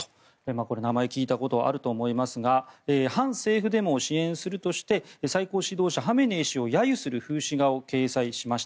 これ、名前を聞いたことがあると思いますが反政府デモを支援するとして最高指導者ハメネイ師を揶揄する風刺画を掲載しました。